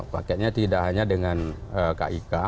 paketnya tidak hanya dengan kik